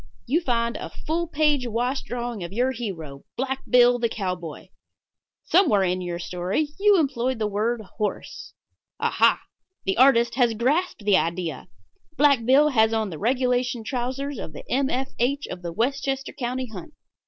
You find a full page wash drawing of your hero, Black Bill, the cowboy. Somewhere in your story you employed the word "horse." Aha! the artist has grasped the idea. Black Bill has on the regulation trousers of the M. F. H. of the Westchester County Hunt.